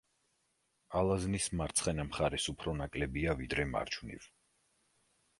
ალაზნის მარცხენა მხარეს უფრო ნაკლებია, ვიდრე მარჯვნივ.